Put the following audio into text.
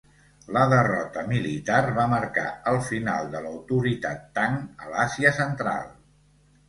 La derrota militar va marcar el final de l'autoritat Tang a l'Àsia Central.